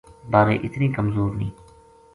بارے اتنی کمزور نیہہ